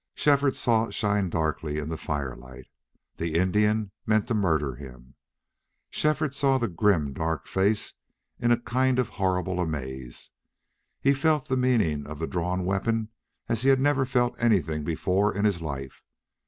Shefford saw it shine darkly in the firelight. The Indian meant to murder him. Shefford saw the grim, dark face in a kind of horrible amaze. He felt the meaning of that drawn weapon as he had never felt anything before in his life.